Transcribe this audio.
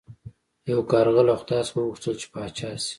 یو کارغه له خدای څخه وغوښتل چې پاچا شي.